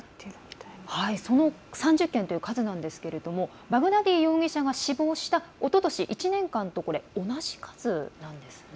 その３０件という数なんですがバグダディ容疑者が死亡したおととし１年間と同じ数なんですね。